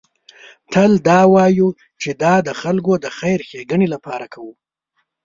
تل دا وایو چې دا د خلکو د خیر ښېګڼې لپاره کوو.